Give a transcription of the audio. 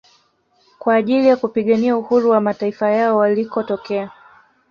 Kwa ajili ya kupigania uhuru wa mataifa yao walikotokea